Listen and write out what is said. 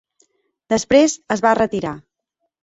Després es va retirar.